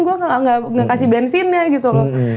gue gak kasih bensinnya gitu loh